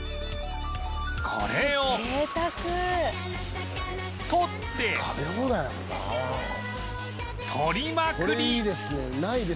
これを取って取りまくり！